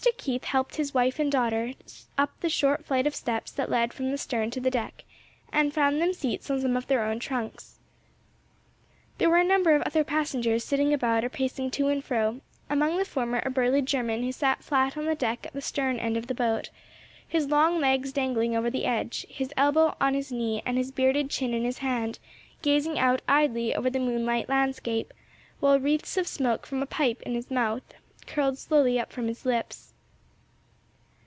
Keith helped his wife and daughter up the short flight of steps that led from the stern to the deck, and found them seats on some of their own trunks. There were a number of other passengers sitting about or pacing to and fro; among the former a burly German who sat flat on the deck at the stern end of the boat, his long legs dangling over the edge, his elbow on his knee and his bearded chin in his hand, gazing out idly over the moonlight landscape, while wreaths of smoke from a pipe in his mouth, curled slowly up from his lips.